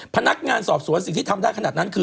พนักงานสอบสวนสิ่งที่ทำได้ขนาดนั้นคือ